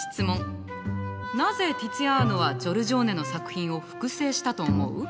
なぜティツィアーノはジョルジョーネの作品を複製したと思う？